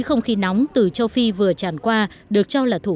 xin kính chào và hẹn gặp lại